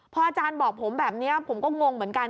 อาจารย์บอกผมแบบนี้ผมก็งงเหมือนกัน